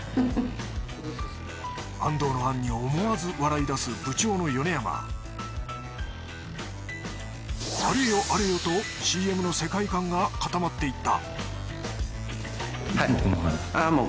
安藤の案に思わず笑い出すあれよあれよとＣＭの世界観が固まっていった